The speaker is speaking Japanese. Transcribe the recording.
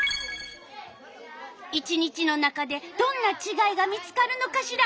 １日の中でどんなちがいが見つかるのかしら。